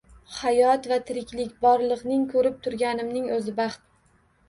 Hayot va tiriklik, borliqni ko‘rib turganingning o‘zi baxt